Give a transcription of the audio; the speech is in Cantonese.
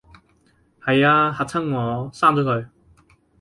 係吖，嚇親我，刪咗佢